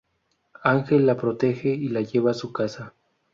Ángel la protege y la lleva a su casa.